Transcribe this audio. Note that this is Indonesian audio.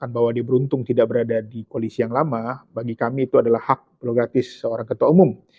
bagi kami itu adalah hak logatis seorang ketua umum